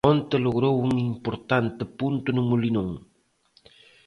Onte logrou un importante punto no Molinón.